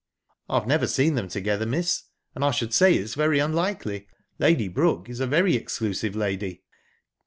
"I've never seen them together, miss, and I should say it's very unlikely. Lady Brooke is a very exclusive lady."